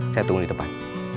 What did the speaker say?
saya tunggu di depan